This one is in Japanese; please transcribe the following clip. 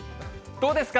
どうですか？